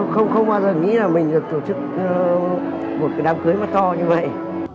em nghĩ rằng là không bao giờ nghĩ là mình được tổ chức một cái đám cưới mà to như vậy